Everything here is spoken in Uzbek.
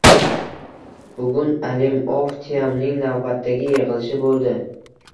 Bugun Alimoff Teamning navbatdagi yigʻilishi boʻldi.